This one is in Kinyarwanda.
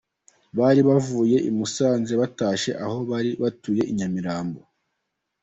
Bari bavuye i Musanze batashye aho bari batuye i Nyamirambo.